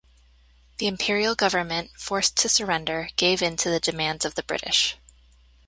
The Imperial Government, forced to surrender, gave in to the demands of the British.